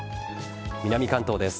南関東です。